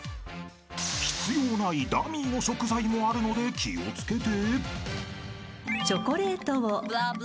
［必要ないダミーの食材もあるので気を付けて］